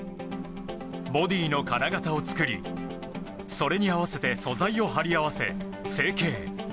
ボディーの金型を作りそれに合わせて素材を張り合わせ、成型。